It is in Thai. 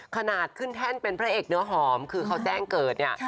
ขนาดขึ้นแท่นเป็นพระเอกเนื้อหอมคือเขาแจ้งเกิดเนี่ย